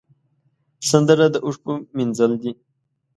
سندره د اوښکو مینځل دي